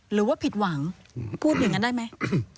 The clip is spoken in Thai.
หรือว่าผิดหวังพูดอย่างนั้นได้ไหม